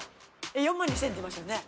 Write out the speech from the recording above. ４万２０００円っていいましたよね